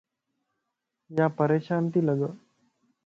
يا پريشان تي لڳ